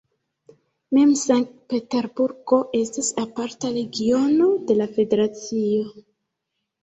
Mem Sankt-Peterburgo estas aparta regiono de la federacio.